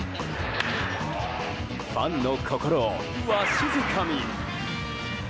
ファンの心をわしづかみ！